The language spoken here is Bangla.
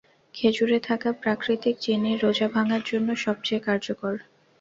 খেজুরে থাকা প্রাকৃতিক চিনি রোজা ভাঙ্গার জন্য সবচেয়ে কার্যকর।